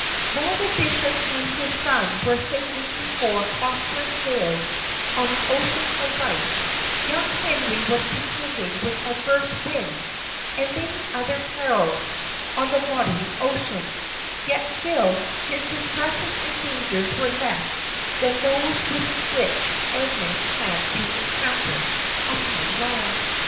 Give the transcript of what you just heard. While the bishop and his son were sailing before prosperous gales on the ocean of life, young Henry was contending with adverse winds, and many other perils, on the watery ocean; yet still, his distresses and dangers were less than those which Agnes had to encounter upon land.